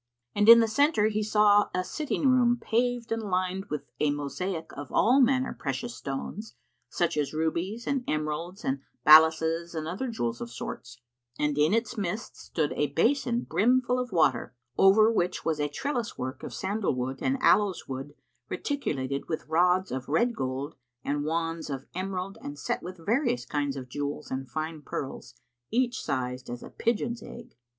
And in the centre he saw a sitting room paved and lined with a mosaic of all manner precious stones such as rubies and emeralds and balasses and other jewels of sorts; and in its midst stood a basin[FN#51] brimful of water, over which was a trellis work of sandalwood and aloes wood reticulated with rods of red gold and wands of emerald and set with various kinds of jewels and fine pearls, each sized as a pigeon's egg.